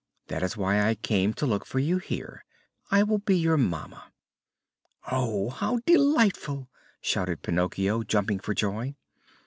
That is why I came to look for you here. I will be your mamma." "Oh, how delightful!" shouted Pinocchio, jumping for joy.